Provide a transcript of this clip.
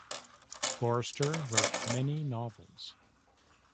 Forester wrote many novels.